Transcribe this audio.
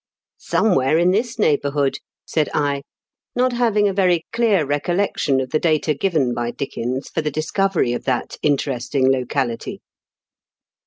" Somewhere in this neighbourhood," said I, not having a very clear recollection of the data given by Dickens for the discovery of that interesting locality.